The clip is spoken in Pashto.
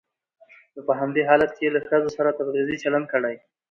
نو په همدې حالت کې يې له ښځو سره تبعيضي چلن کړى.